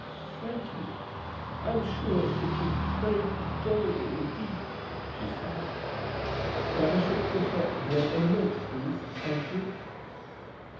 " Thank you ; I — I am sure it would be very 'joyable, indeed," she stammered. ' But I should pwefer bread and milk, i^ease, thank you."